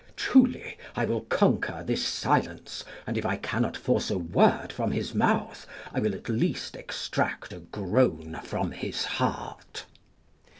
Truly, I will conquer this silence; and if I cannot force a word from his mouth, I will, at least, extract a groan from his heart."